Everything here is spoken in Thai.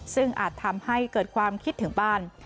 ซึ่งอาจทำให้เกิดความคิดถึงบ้าน